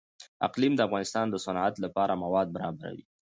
اقلیم د افغانستان د صنعت لپاره مواد برابروي.